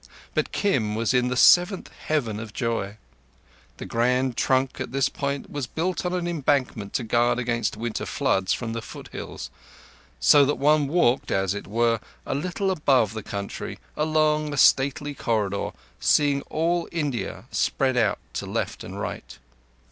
But Kim was in the seventh heaven of joy. The Grand Trunk at this point was built on an embankment to guard against winter floods from the foothills, so that one walked, as it were, a little above the country, along a stately corridor, seeing all India spread out to left and right.